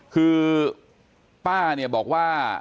คือป้าบอกว่า